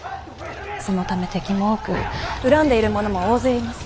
そのため敵も多く恨んでいる者も大勢います。